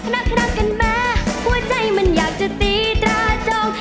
รักรักกันแม้หัวใจมันอยากจะตีตราจง